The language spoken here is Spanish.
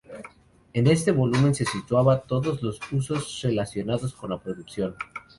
En este volumen se situaban todos los usos relacionados con la producción.